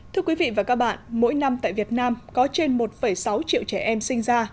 thưa quý vị và các bạn mỗi năm tại việt nam có trên một sáu triệu trẻ em sinh ra